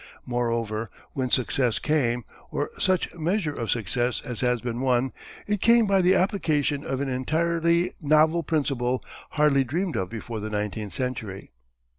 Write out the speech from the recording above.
Moreover when success came or such measure of success as has been won it came by the application of an entirely novel principle hardly dreamed of before the nineteenth century.